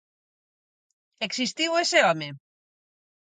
Existiu ese home?